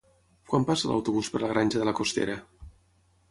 Quan passa l'autobús per la Granja de la Costera?